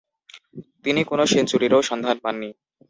তিনি কোন সেঞ্চুরিরও সন্ধান পাননি।